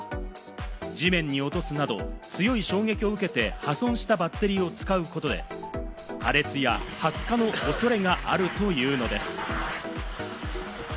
地面に落とすなど、強い衝撃を受けて破損したバッテリーを使うことで、破裂や発火の恐れがあるというのです。